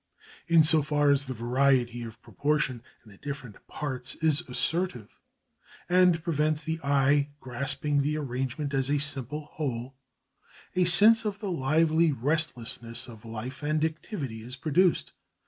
In so far as the variety of proportion in the different parts is assertive and prevents the eye grasping the arrangement as a simple whole, a sense of the lively restlessness of life and activity is produced.